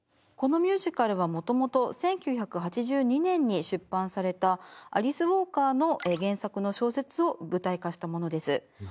このミュージカルはもともと１９８２年に出版されたアリス・ウォーカーの原作の小説を舞台化したものです。